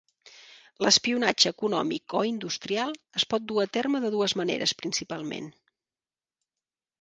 L'espionatge econòmic o industrial es pot dur a terme de dues maneres principalment.